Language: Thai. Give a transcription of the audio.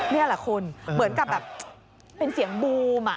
นี่แหละคุณเหมือนกับแบบเป็นเสียงบูม